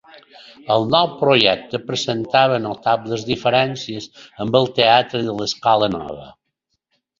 El nou projecte presentava notables diferències amb el Teatre de l’Escola Nova.